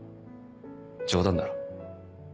冗談だろ。